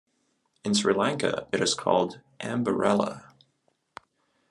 In Sri Lanka it is called "Amberella".